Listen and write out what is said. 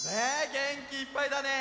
げんきいっぱいだね。